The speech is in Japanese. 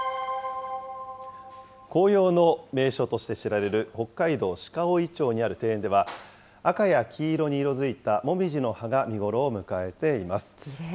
紅葉の名所として知られる北海道鹿追町にある庭園では、赤や黄色に色づいたもみじの葉が見頃を迎えています。